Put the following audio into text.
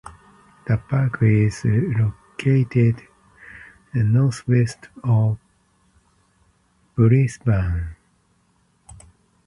The park is located northwest of Brisbane.